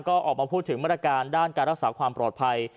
ก็ออกมาพูดถึงมาตรการด้านการรักษาความปลอดภัย